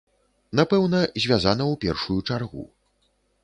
Напэўна, звязана ў першую чаргу.